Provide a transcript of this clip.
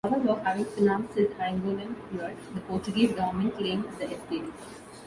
However, having financed his Angolan years, the Portuguese government claimed the estate.